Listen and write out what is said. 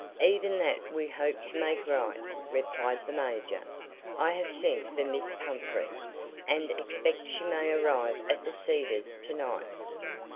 "Even that we hope to make right," replied the major. "I have sent for Miss Pumfret, and expect she may arrive at The Cedars to night."